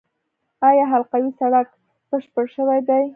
آیا حلقوي سړک بشپړ شوی دی؟